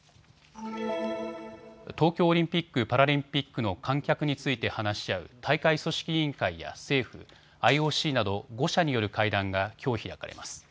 東京オリンピック・パラリンピックの観客について話し合う大会組織委員会や政府、ＩＯＣなど５者による会談がきょう開かれます。